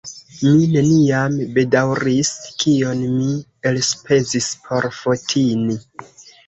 Mi neniam bedaŭris, kion mi elspezis por Fotini.